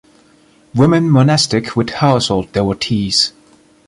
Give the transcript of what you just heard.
Women-monastic with household devotees.